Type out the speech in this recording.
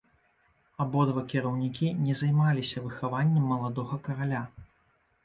Абодва кіраўнікі не займаліся выхаваннем маладога караля.